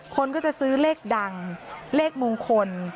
คนก็จะซื้อเลขดังเลขมงคล